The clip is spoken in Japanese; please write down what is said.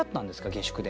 下宿で。